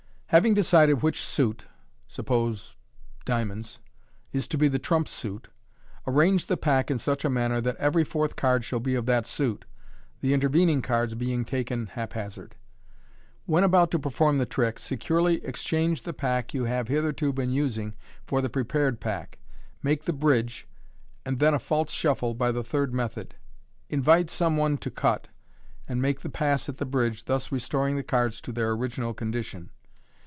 — Having decided which suit (suppose dia monds) is to be the trump suit, arrange the pack in such mannei that every fourth card shall be of that suit, the intervening cards being taken haphazard. When about to perform the trick, secretly exchange the pack you have hitherto been using for the prepared pack. Make the bridge (see page 39), and then a false shuffle by the third method (see page 24). Invite some one to cut, and make the pass at the bridge, thus restoring the cards to their original condition.